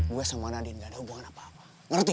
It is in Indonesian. gue gak like kalau kayak begini